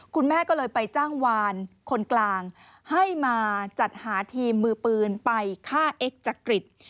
คุณแม่ก็เลยไปจ้างวานคนกลางให้มาจัดหาทีมมือปืนไปฆ่าเอ็กจักริต